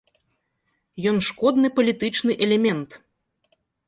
Ён шкодны палітычны элемент!